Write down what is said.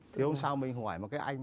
thì hôm sau mình hỏi một cái anh